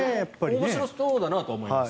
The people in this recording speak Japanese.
面白そうだなとは思います。